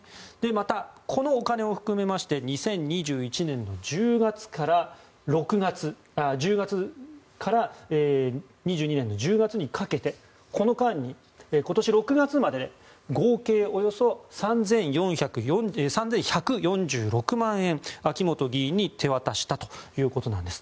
また、このお金を含めまして２０２１年１０月から２０２２年の１０月にかけてこの間に今年６月まで合計およそ３１４６万円秋本議員に手渡したということなんです。